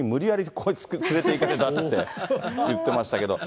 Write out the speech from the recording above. ここへ連れていかれたって、言ってましたけど。